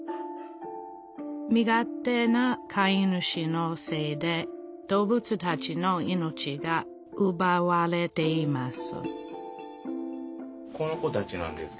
身勝手な飼い主のせいで動物たちの命がうばわれています